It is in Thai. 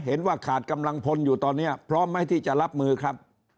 เห็นว่าขาดกำลังพลอยู่ตอนนี้พร้อมไหมที่จะรับมือครับ